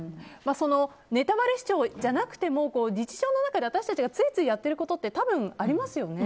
ネタバレ視聴じゃなくても日常の中で、私たちがついついやってることって多分、ありますよね。